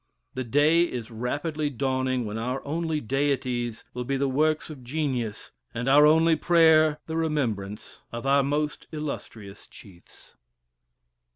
The day is rapidly dawning when our only deities will be the works of genius, and our only prayer the remembrance of our most illustrious chiefs.